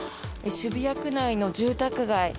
渋谷区内の住宅街